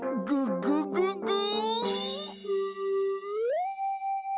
「ググググー」